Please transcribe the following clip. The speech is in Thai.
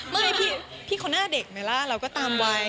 ไม่พี่คนน่าเด็กไหมล่ะเราก็ตามไว